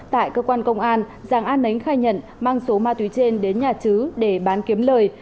tại cơ quan công an giàng an nánh khai nhận mang số ma túy trên đến nhà chứ để bán kiếm lời